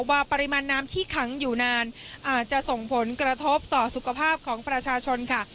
ปริมาณน้ำที่ขังอยู่นานอาจจะส่งผลกระทบต่อสุขภาพของประชาชนค่ะ